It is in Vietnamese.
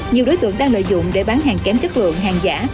nhiều đối tượng đang lợi dụng để bán hàng kém chất lượng hàng giả